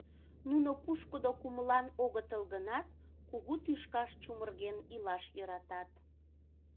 Нуно пушкыдо кумылан огытыл гынат, кугу тӱшкаш чумырген илаш йӧратат.